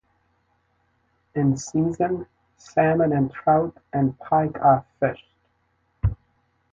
In season, salmon and trout and pike are fished.